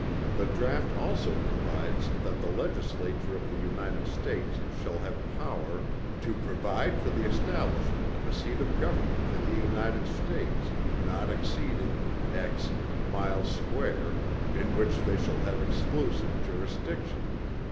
The draught also provides that the legislature of the United States shall have power, "To provide for the establishment of a seat of government for the United States, not exceeding miles square, in which they shall have exclusive jurisdiction."